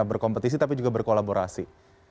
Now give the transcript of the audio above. berkompetisi tapi juga berkolaborasi